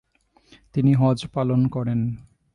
তিনি হজ্জ পালন করেন।